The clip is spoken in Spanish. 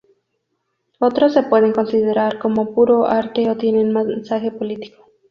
Otros se pueden considerar como puro arte o tienen mensaje político.